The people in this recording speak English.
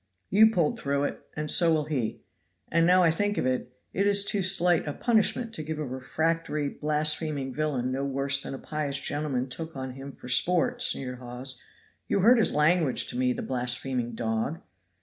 "You pulled through it and so will he; and now I think of it, it is too slight a punishment to give a refractory, blaspheming villain no worse than a pious gentleman took on him for sport," sneered Hawes. "You heard his language to me, the blaspheming dog?"